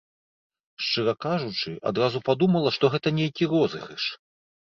Шчыра кажучы, адразу падумала, што гэта нейкі розыгрыш.